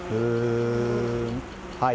はい。